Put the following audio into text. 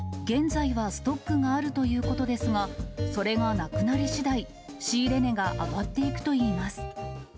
現在はストックがあるということですが、それがなくなりしだい、仕入れ値が上がっていくといいます。